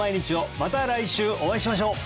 また来週お会いしましょう！